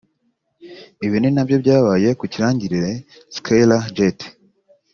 Ibi ni nabyo byabaye ku kirangirire Skyler Jett